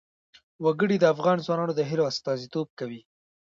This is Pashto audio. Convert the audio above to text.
وګړي د افغان ځوانانو د هیلو استازیتوب کوي.